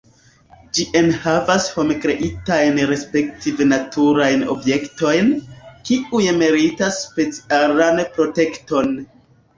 Ĝi enhavas hom-kreitajn respektive naturajn objektojn, kiuj meritas specialan protekton.